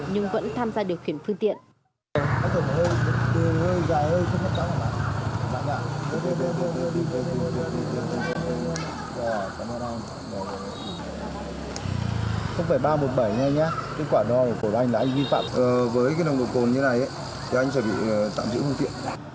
nhưng vẫn tham gia điều khiển phương tiện